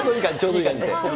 いい感じ。